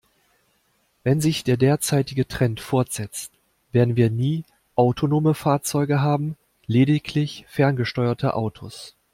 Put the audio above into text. Wenn sich der derzeitige Trend fortsetzt, werden wir nie autonome Fahrzeuge haben, lediglich ferngesteuerte Autos.